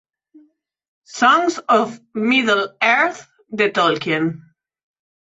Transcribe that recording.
Songs of Middle-earth de Tolkien